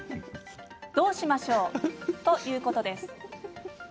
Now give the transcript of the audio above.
どうしましょうということです。